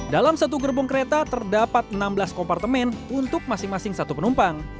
dalam satu gerbong kereta terdapat enam belas kompartemen untuk masing masing satu penumpang